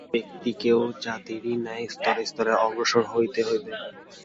ব্যক্তিকেও জাতিরই ন্যায় স্তরে স্তরে অগ্রসর হইতে হইবে।